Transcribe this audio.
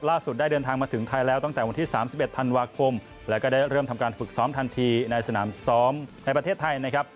ได้เดินทางมาถึงไทยแล้วตั้งแต่วันที่๓๑ธันวาคมแล้วก็ได้เริ่มทำการฝึกซ้อมทันทีในสนามซ้อมในประเทศไทยนะครับ